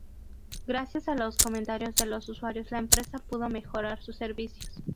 Gracias a los comentarios de los usuarios, la empresa pudo mejorar sus servicios.